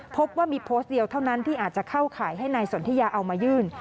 พบว่ามีโพสต์เดียวเท่านั้นที่อาจจะเข้าข่ายให้นายสนทิยาเอามายื่น